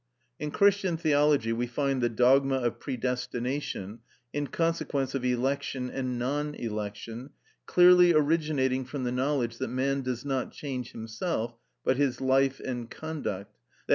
7. In Christian theology we find the dogma of predestination in consequence of election and non election (Rom. ix. 11 24), clearly originating from the knowledge that man does not change himself, but his life and conduct, _i.